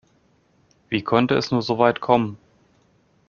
Wie konnte es nur so weit kommen?